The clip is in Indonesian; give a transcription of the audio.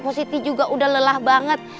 positif juga udah lelah banget